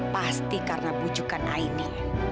pasti karena pujukan aini